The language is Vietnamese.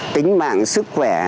tính mạng sức khỏe